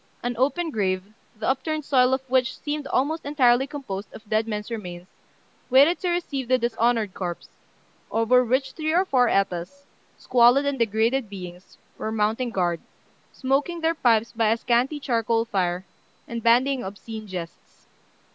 An open grave, the upturned soil of which seemed almost entirely composed of dead men's remains, waited to receive the dishonoured corpse, over which three or four Etas, squalid and degraded beings, were mounting guard, smoking their pipes by a scanty charcoal fire, and bandying obscene jests.